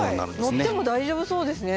乗っても大丈夫そうですね。